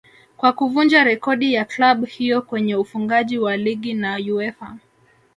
kwa kuvunja rekodi ya club hiyo kwenye ufungaji wa ligi na Uefa